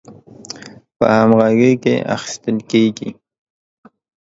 په همغږۍ اخیستل کیږي